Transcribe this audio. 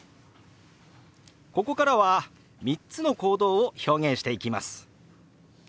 ここからは３つの行動を表現していきます。